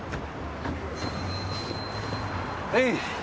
はい！